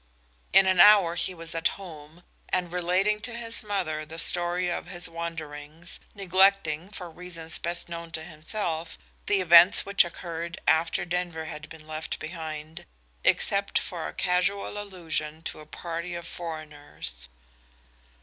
In an hour he was at home and relating to his mother the story of his wanderings, neglecting, for reasons best known to himself, the events which occurred after Denver had been left behind, except for a casual allusion to "a party of foreigners."